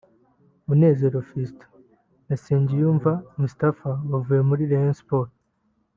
Munezero Filston na Nsengiyumva Mustapfa bavuye muri Rayon Sports